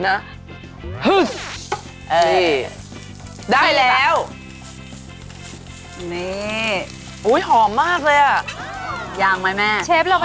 ยังได้ครับ